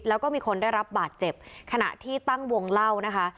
แล้วก็มีคนได้รับบาดเจ็บขณะที่ตั้งวงเล่านะคะ